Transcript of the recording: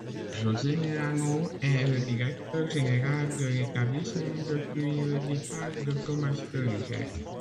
José Milano est le directeur général de l'établissement depuis le départ de Thomas Froehlicher.